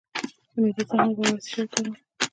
د معدې د زخم لپاره باید څه شی وکاروم؟